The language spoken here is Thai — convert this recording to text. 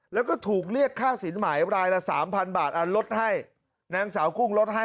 แล้วก็ถูกเรียกค่าสินหมายรายละสามพันบาทลดให้นางสาวกุ้งลดให้